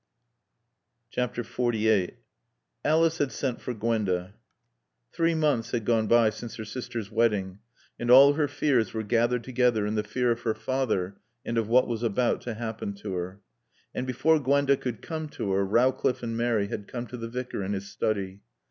XLVIII Alice had sent for Gwenda. Three months had gone by since her sister's wedding, and all her fears were gathered together in the fear of her father and of what was about to happen to her. And before Gwenda could come to her, Rowcliffe and Mary had come to the Vicar in his study.